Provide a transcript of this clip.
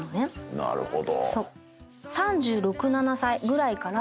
なるほど。